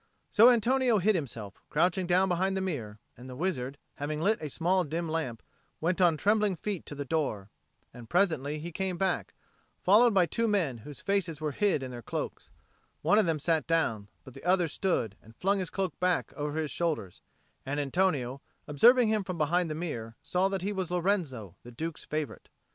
So Antonio hid himself, crouching down behind the mirror; and the wizard, having lit a small dim lamp, went on trembling feet to the door. And presently he came back, followed by two men whose faces were hid in their cloaks. One of them sat down, but the other stood and flung his cloak back over his shoulders; and Antonio, observing him from behind the mirror, saw that he was Lorenzo, the Duke's favourite.